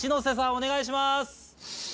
お願いします！